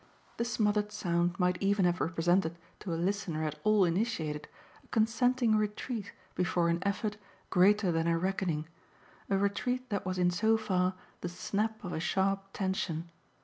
The smothered sound might even have represented to a listener at all initiated a consenting retreat before an effort greater than her reckoning a retreat that was in so far the snap of a sharp tension.